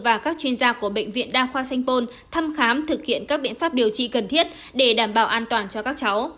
và các chuyên gia của bệnh viện đa khoa sanh pôn thăm khám thực hiện các biện pháp điều trị cần thiết để đảm bảo an toàn cho các cháu